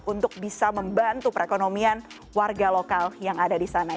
untuk bisa membantu perekonomian warga lokal yang ada di sana